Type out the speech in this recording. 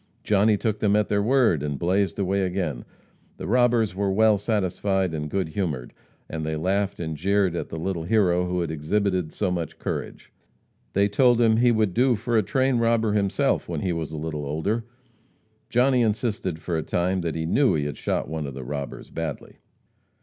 Johnny took them at their word, and blazed away again. The robbers were well satisfied and good humored, and they laughed and jeered at the little hero who had exhibited so much courage. They told him he would do for a train robber himself when he was a little older. Johnny insisted for a time that he knew he had shot one of the robbers badly.